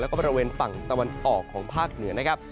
แล้วก็บริเวณฝั่งตะวันออกของภาคเหนือนะครับ